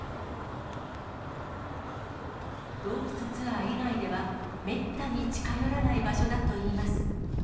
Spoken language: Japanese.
洞窟ツアー以外では、めったに近寄らない場所だといいます。